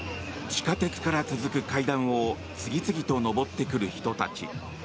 地下鉄から続く階段を次々と上ってくる人たち。